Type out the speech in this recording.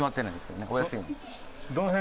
どの辺。